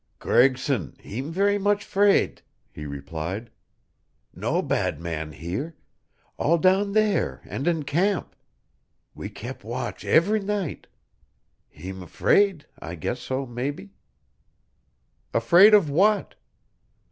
"Gregson heem ver' much 'fraid," he replied. "No bad man here all down there and in camp. We kep' watch evr' night. Heem 'fraid I guess so, mebby." "Afraid of what?"